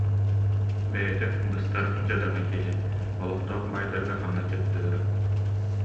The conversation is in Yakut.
Бэйэтэ быстар дьадаҥы киһи, олохтоох баайдарга хамначчыттыыра